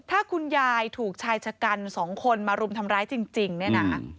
ถ้าคุณยายถูกชายชะกันสองคนมารุมทำร้ายจริงเนี่ยนะ